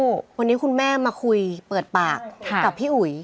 วันนี้คุณแม่มาคุยเปิดปากกับพี่อุ๋ย